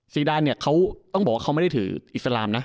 ซีดานเนี่ยเขาต้องบอกว่าเขาไม่ได้ถืออิสลามนะ